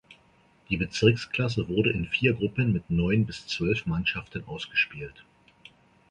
Die Bezirksklasse wurde in vier Gruppen mit neun bis zwölf Mannschaften ausgespielt.